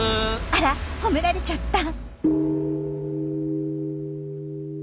あらっ褒められちゃった。